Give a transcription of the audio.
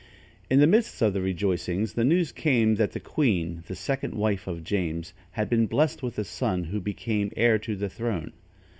In the midst of the rejoicings, the news came that the queen, the second wife of James, had been blessed with a son, who became heir to the throne.